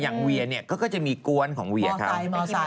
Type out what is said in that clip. เวียเนี่ยเขาก็จะมีกวนของเวียเขา